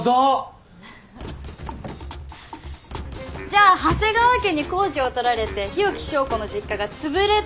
じゃあ長谷川家に工事をとられて日置昭子の実家が潰れたっていうのは？